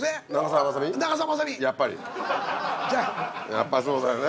やっぱそうだよね。